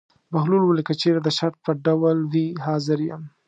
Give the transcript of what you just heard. بهلول وویل: که چېرې د شرط په ډول وي حاضر یم.